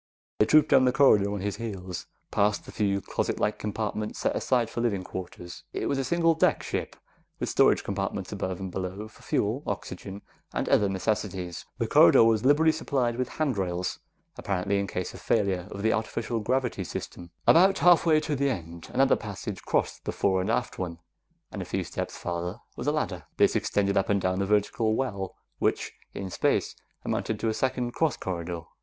They trooped down the corridor on his heels, past the few closet like compartments set aside for living quarters. It was a single deck ship, with storage compartments above and below for fuel, oxygen, and other necessities. The corridor was liberally supplied with handrails, apparently in case of failure of the artificial gravity system. About halfway to the end, another passage crossed the fore and aft one, and a few steps farther was a ladder. This extended up and down a vertical well, which in space amounted to a second cross corridor.